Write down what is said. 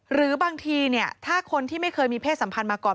หรือบางทีถ้าคนที่ไม่เคยมีเพศสัมพันธ์มาก่อน